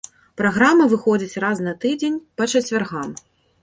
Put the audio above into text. Праграма выходзіць раз на тыдзень па чацвяргам.